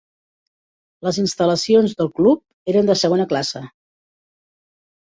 Les instal·lacions del club eren de segona classe.